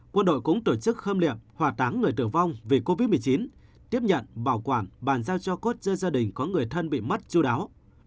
quân đội cũng tổ chức khơm liệm hòa táng người tử vong vì covid một mươi chín tiếp nhận bảo quản bàn giao cho cốt cho gia đình có người thân bị mất chú đáo